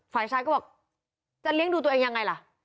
ฝ่ายชายก็บอกจะเลี้ยงดูตัวเองยังไงล่ะ